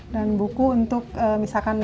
dan buku untuk misalkan